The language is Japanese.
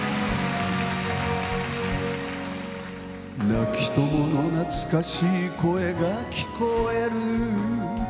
亡き友の懐かしい声が聞こえる